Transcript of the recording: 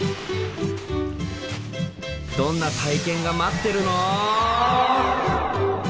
どんな体験が待ってるの？